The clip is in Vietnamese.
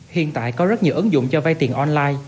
hiện tại có rất nhiều ứng dụng cho vay tiền online